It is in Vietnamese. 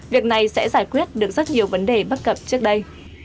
việc này sẽ giải quyết được rất nhiều vấn đề bất cập trước đây